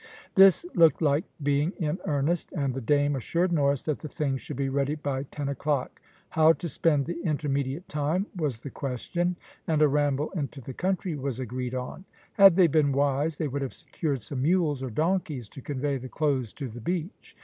This looked like being in earnest, and the dame assured Norris that the things should be ready by ten o'clock. How to spend the intermediate time was the question, and a ramble into the country was agreed on. Had they been wise they would have secured some mules or donkeys to convey the clothes to the beach.